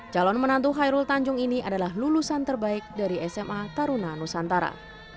calon menantu hairul tanjung ini adalah lulusan terbaik dari sma taruna nusantara